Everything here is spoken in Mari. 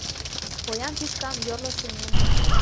Поян тӱшкам йорло сеҥен